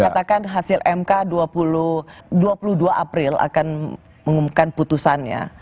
mengatakan hasil mk dua puluh dua april akan mengumumkan putusannya